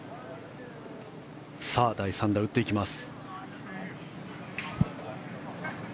第３打、打っていきます。